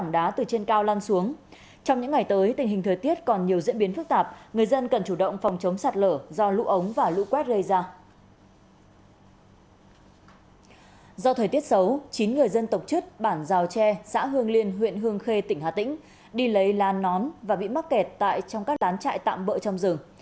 do thời tiết xấu chín người dân tộc chất bản giao tre xã hương liên huyện hương khê tỉnh hà tĩnh đi lấy lan nón và bị mắc kẹt tại trong các lán chạy tạm bỡ trong rừng